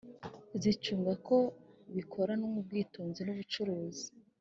zicunga ko bikoranwa ubwitonzi n’ubushishozi